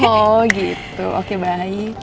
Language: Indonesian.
oh gitu oke baik